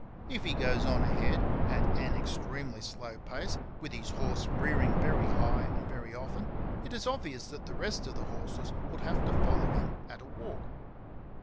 If he goes on ahead at an extremely slow pace, with his horse rearing very high and very often, it is obvious that the rest of the horses would have to follow him at a walk.